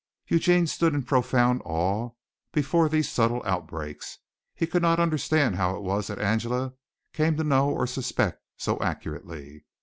Eugene stood in profound awe before these subtle outbreaks. He could not understand how it was that Angela came to know or suspect so accurately.